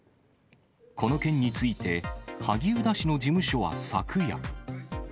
この件について、萩生田氏の事務所は昨夜。